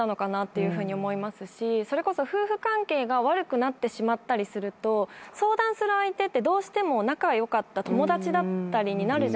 それこそ夫婦関係が悪くなってしまったりすると相談する相手ってどうしても仲良かった友達だったりになるじゃないですか。